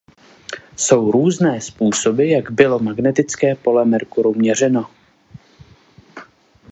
Jsou různé způsoby jak bylo magnetické pole Merkuru měřeno.